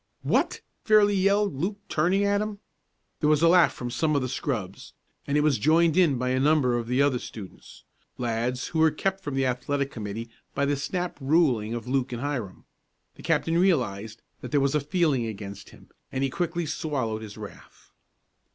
"What?" fairly yelled Luke turning at him. There was a laugh from some of the scrubs, and it was joined in by a number of the other students lads who were kept from the athletic committee by the snap ruling of Luke and Hiram. The captain realized that there was a feeling against him, and he quickly swallowed his wrath.